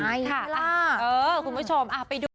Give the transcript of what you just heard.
ค่ะเออคุณผู้ชมไปดู